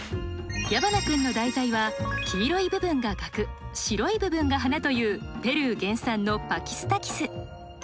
矢花君の題材は黄色い部分がガク白い部分が花というペルー原産のパキスタキス。